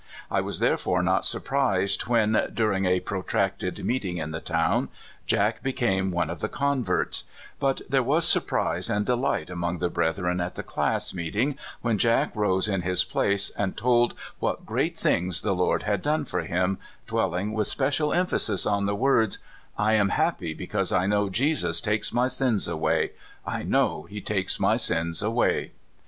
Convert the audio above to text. I was therefore not surprised when, during a protracted meeting in the town, Jack became one of the converts; but there was surprise and delight among the brethren at the class meeting when Jack rose in his place and told what great things the Lord had done for him, dwelling with special emphasis on the words, " 1 am happy, because I know Jesus takes my sins away — I know he takes my sins away."